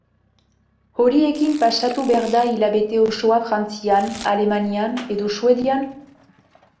Horiekin pasatu behar da hilabete osoa Frantzian, Alemanian edo Suedian?